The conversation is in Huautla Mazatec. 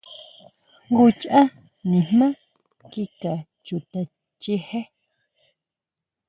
Jngu cháʼ nijmá kika chuta chijé.